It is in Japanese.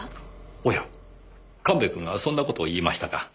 おや神戸君がそんな事を言いましたか。